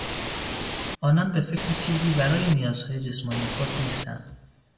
آنان به فکر چیزی ورای نیازهای جسمانی خود نیستند.